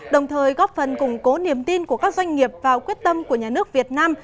đồng thời góp phần củng cố niềm tin của các doanh nghiệp vào quyết tâm của nhà nước việt nam